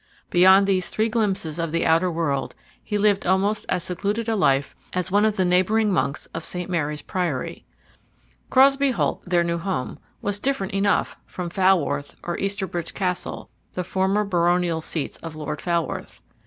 Beyond these three glimpses of the outer world he lived almost as secluded a life as one of the neighboring monks of St. Mary's Priory. Crosbey Holt, their new home, was different enough from Falworth or Easterbridge Castle, the former baronial seats of Lord Falworth.